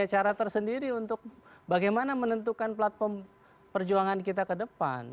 kita sudah punya cara tersendiri untuk bagaimana menentukan platform perjuangan kita ke depan